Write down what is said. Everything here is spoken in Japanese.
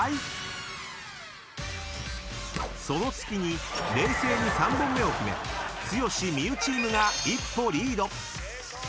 ［その隙に冷静に３本目を決め剛・望結チームが一歩リード］